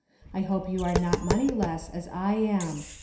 I hope you are not moneyless, as I am.